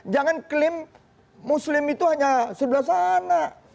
jangan klaim muslim itu hanya sebelah sana